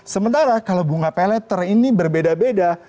sementara kalau bunga pay later ini berbeda beda